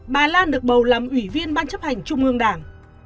bà lan được bầu làm ủy viên ban chấp hành trung ương đảng